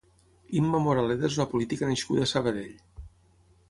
Imma Moraleda és una política nascuda a Sabadell.